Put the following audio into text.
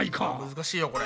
難しいよこれ。